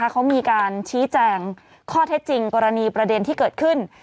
เขามีการชี้แจงข้อเท็จจริงกรณีประเด็นที่เกิดขึ้น